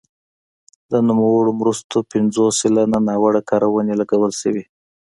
د نوموړو مرستو پنځوس سلنه ناوړه کارونې لګول شوي.